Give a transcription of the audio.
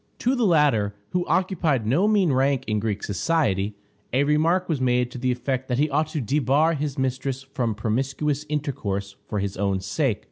To the latter, who occupied no mean rank in Greek society, a remark was made to the effect that he ought to debar his mistress from promiscuous intercourse for his own sake.